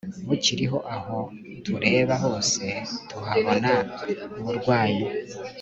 bukiriho Aho tureba hose tuhabona uburwayi